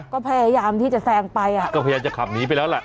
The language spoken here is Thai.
ก็พยายามที่จะแซงไปอ่ะก็พยายามจะขับหนีไปแล้วแหละ